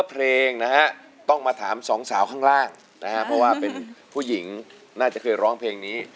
เพราะว่าเป็นผู้หญิงน่าจะเคยร้องเพลงนี้